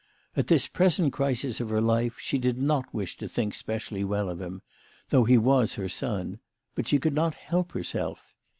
At this present crisis of her life she did not wish to think specially well of him, though he was her son, but she could not help herself.